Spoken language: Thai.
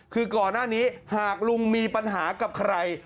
คือก่อนหน้านี้หากลุงมีปัญหากับใคร